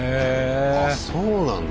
あそうなんだ。